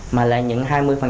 mà là những hai mươi